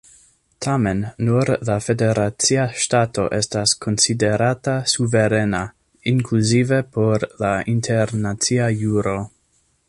Tamen, nur la federacia ŝtato estas konsiderata suverena, inkluzive por la internacia juro.